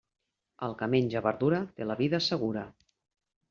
El que menja verdura té la vida segura.